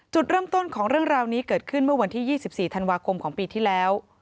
จุดเริ่มต้นของเรื่องราวนี้เกิดขึ้นเมื่อวันที่๒๔ธันวาคมของปีที่แล้ว